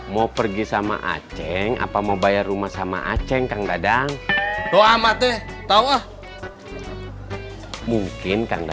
mau pergi sama aceh apa mau bayar rumah sama aceh kak nggak ada yang tahu kakaknya